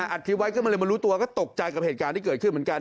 อัดคลิปไว้ขึ้นมาเลยมารู้ตัวก็ตกใจกับเหตุการณ์ที่เกิดขึ้นเหมือนกัน